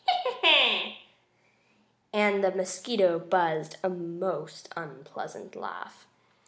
Ha! Ha!" and the mosquito buzzed a most unpleasant laugh.